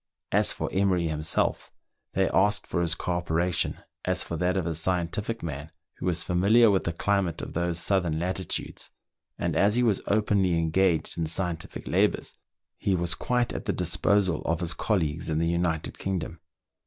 As for Emery himself, they asked for his co operation as for that of a scientific man who was familiar with the climate of those southern latitudes, and as he was openly engaged in scientific labours, he was quite at the disposal of his colleagues in the United Kingdom.